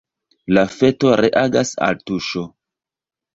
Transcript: La feto reagas al tuŝo.